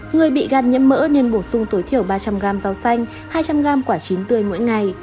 người bị gạt nhiễm mỡ nên bổ sung tối thiểu ba trăm linh gram rau xanh hai trăm linh g quả chín tươi mỗi ngày